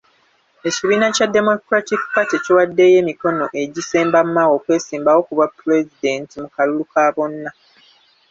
Ekibiina kya Democratic Party kiwaddeyo emikono egisemba Mao, okwesimbawo ku bwapulezidenti mu kalulu ka bonna